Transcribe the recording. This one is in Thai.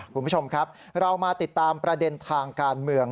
คุณผู้ชมครับเรามาติดตามประเด็นทางการเมือง